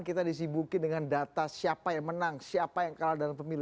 kita disibukin dengan data siapa yang menang siapa yang kalah dalam pemilu